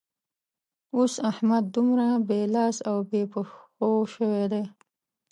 احمد اوس دومره بې لاس او بې پښو شوی دی.